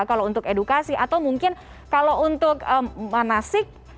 kalau untuk edukasi atau mungkin kalau untuk manasik